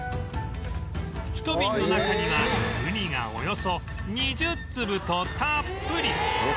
ひと瓶の中にはウニがおよそ２０粒とたっぷり！